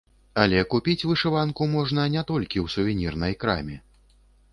Але купіць вышыванку можна не толькі ў сувенірнай краме.